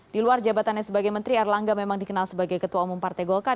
di luar jabatannya sebagai menteri erlangga memang dikenal sebagai ketua umum partai golkar